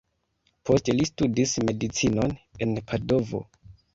Poste li studis medicinon en Padovo.